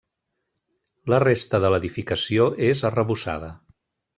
La resta de l'edificació és arrebossada.